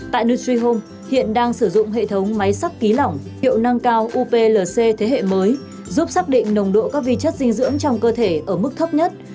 tại nitri homes hiện đang sử dụng hệ thống máy sắc ký lỏng hiệu năng cao uplc thế hệ mới giúp xác định nồng độ các vi chất dinh dưỡng trong cơ thể ở mức thấp nhất